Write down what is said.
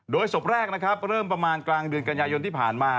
โดยศพแรกนะครับเริ่มประมาณกลางเดือนกันยายนที่ผ่านมา